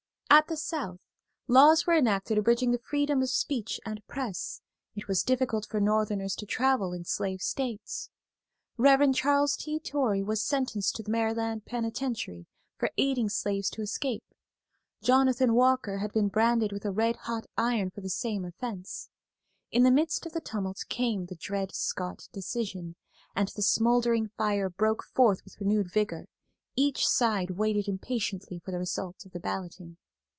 At the South laws were enacted abridging the freedom of speech and press; it was difficult for Northerners to travel in slave states. Rev. Charles T. Torrey was sentenced to the Maryland penitentiary for aiding slaves to escape; Jonathan Walker had been branded with a red hot iron for the same offense. In the midst of the tumult came the "Dred Scott Decision," and the smouldering fire broke forth with renewed vigor. Each side waited impatiently for the result of the balloting.